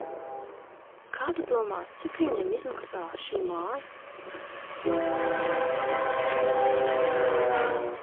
Kā tu domā, cik viņiem izmaksā šī māja?